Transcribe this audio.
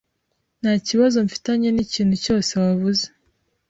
Nta kibazo mfitanye nikintu cyose wavuze.